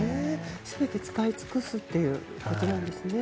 全て使い尽くすっていうことなんですね。